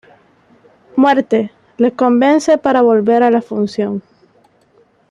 Muerte, le convence para volver a la función.